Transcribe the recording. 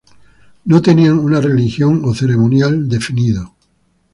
No tenían una religión o ceremonial definido.